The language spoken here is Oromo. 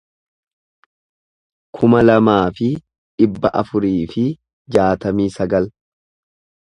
kuma lamaa fi dhibba afurii fi jaatamii sagal